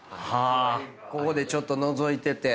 ここでちょっとのぞいてて。